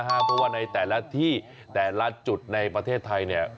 เพราะว่าในแต่ละที่แต่ละจุดในประเทศไทยเนี่ย